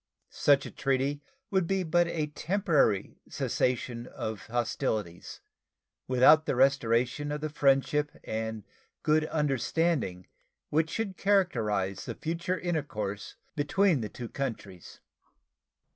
Such a treaty would be but a temporary cessation of hostilities, without the restoration of the friendship and good understanding which should characterize the future intercourse between the two countries.